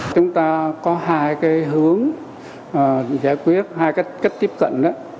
chúng ta có hai cái hướng giải quyết hai cái cách tiếp cận